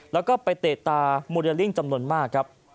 แล้วก็ไปเตะตามูเดลลิ่งจำนวนมากครับ